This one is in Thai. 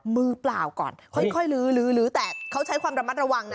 มือเปล่าก่อนค่อยลื้อแต่เขาใช้ความระมัดระวังนะ